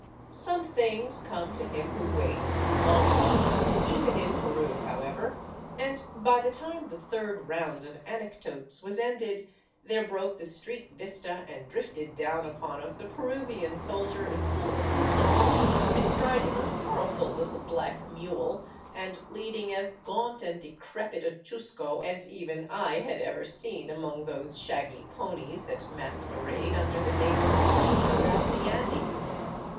Some things come to him who waits — long enough — even in Peru, however, and by the time the third round of anecdotes was ended, there broke the street vista and drifted down upon us a Peruvian soldier in full accoutrements, bestrid ing a sorrowful little black mule and leading as gaunt and decrepit a chiisco as even I had ever seen among those shaggy ponies that mas querade under the name of horse throughout the Andes.